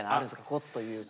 コツというか。